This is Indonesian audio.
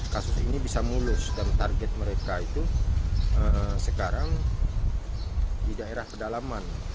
kasus ini bisa mulus dan target mereka itu sekarang di daerah pedalaman